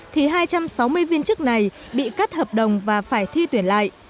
thì hai trăm sáu mươi viên chức này bị cắt hợp đồng và phải thi tuyển lại